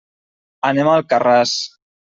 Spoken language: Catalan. Anem a Alcarràs.